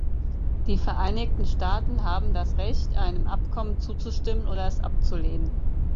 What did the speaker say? Die Vereinigten Staaten haben das Recht, einem Abkommen zuzustimmen oder es abzulehnen.